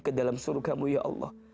ke dalam surga mu ya allah